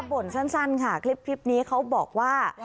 บ่นสั้นค่ะคลิปนี้เขาบอกว่า